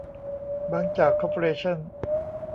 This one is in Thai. บางจาก คอร์ปอเรชั่น